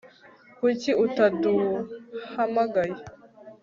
Kuki utaduhamagaye